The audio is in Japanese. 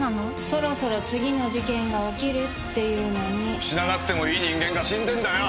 そろそろ次の事件が起きるっていうのに死ななくてもいい人間が死んでんだよ